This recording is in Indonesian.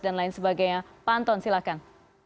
dan lain sebagainya pak anton silakan